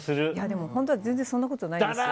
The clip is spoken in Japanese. でも本当全然そんなことないです。